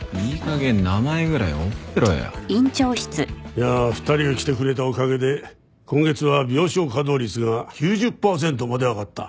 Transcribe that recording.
いやあ２人が来てくれたおかげで今月は病床稼働率が９０パーセントまで上がった。